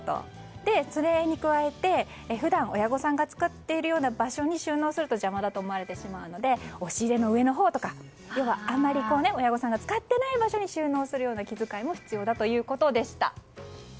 それに加えて普段親御さんが使っているような場所に収納すると邪魔だと思われてしまうので押し入れの上のほうとか要は、あまり親御さんが使っていない場所に収納するような気遣いも必要だということでした。